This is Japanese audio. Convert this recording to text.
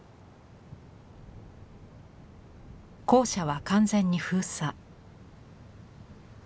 校舎は完全に封鎖。